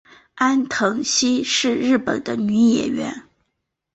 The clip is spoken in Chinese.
安藤希是日本的女演员。